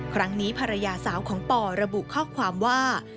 ครั้งนี้ภรรยาสาวของปอระบุข้อความว่า